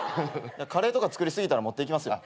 カレーとか作り過ぎたら持っていきますよ。